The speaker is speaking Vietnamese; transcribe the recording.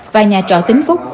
và nhà trọ tính phúc